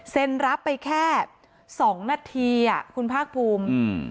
เซ็นรับไปแค่๒นาทีคุณภาคภูมิ